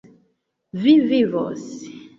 Vi vivos.